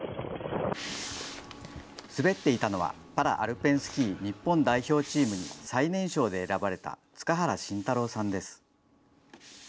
滑っていたのは、パラアルペンスキー日本代表チームに最年少で選ばれた塚原心太郎さんです。